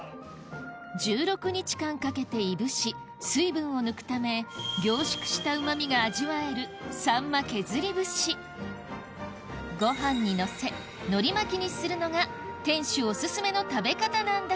１６日間かけていぶし水分を抜くため凝縮した旨味が味わえるさんま削り節ご飯にのせ海苔巻きにするのが店主オススメの食べ方なんだ